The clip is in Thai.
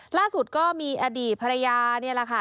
ล่าสุดก็มีอดีตภรรยานี่แหละค่ะ